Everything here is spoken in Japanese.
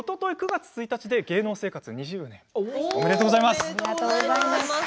９月１日で芸能生活２０年おめでとうございます。